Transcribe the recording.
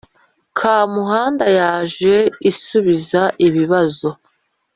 kamuhanda yaje isubiza ibibazo